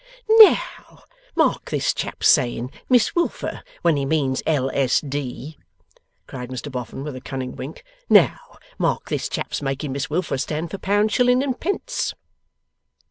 'Now, mark this chap's saying Miss Wilfer, when he means L.s.d.!' cried Mr Boffin, with a cunning wink. 'Now, mark this chap's making Miss Wilfer stand for Pounds, Shillings, and Pence!